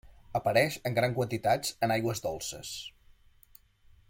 Apareix en grans quantitats en aigües dolces.